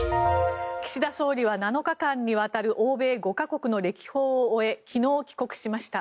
岸田総理は７日間にわたる欧米５か国の歴訪を終え昨日、帰国しました。